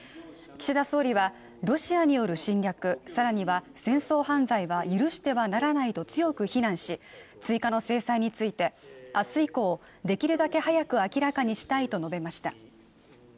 岸田総理は、ロシアによる侵略、更には戦争犯罪は許してはならないと強く非難し、追加の制裁について明日以降できるだけ早く明らかにしたいと述べました。